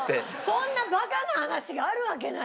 そんなバカな話があるわけないよ。